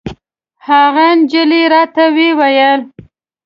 هغې نجلۍ راته ویل.